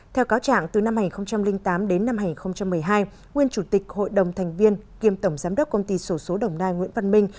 theo cáo trạng từ năm hai nghìn tám đến năm hai nghìn một mươi hai nguyên chủ tịch hội đồng thành viên kiêm tổng giám đốc công ty sổ số đồng nai nguyễn văn minh